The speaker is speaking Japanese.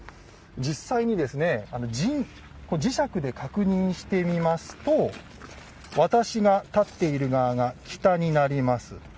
実際に磁石で確認してみますと私が立っている側が北になります。